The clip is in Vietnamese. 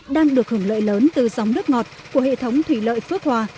đang được hưởng lợi lớn từ dòng nước ngọt của hệ thống thủy lợi phước hòa